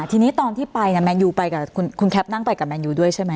ทีนี้ตอนที่ไปแมนยูไปกับคุณแคปนั่งไปกับแมนยูด้วยใช่ไหม